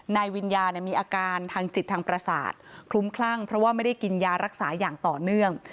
วิญญามีอาการทางจิตทางประสาทคลุ้มคลั่งเพราะว่าไม่ได้กินยารักษาอย่างต่อเนื่อง